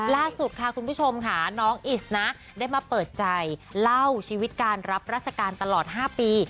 ล่าสุดค่ะคุณผู้ชมค่ะน้องอิสนะได้มาเปิดใจเล่าชีวิตการรับราชการตลอด๕ปี